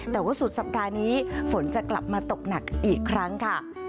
แต่ว่าสุดสัปดาห์นี้ฝนจะกลับมาตกหนักอีกครั้งค่ะ